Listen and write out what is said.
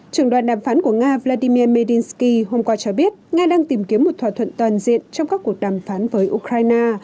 trưởng đoàn đàm phán của nga vladimirinsky hôm qua cho biết nga đang tìm kiếm một thỏa thuận toàn diện trong các cuộc đàm phán với ukraine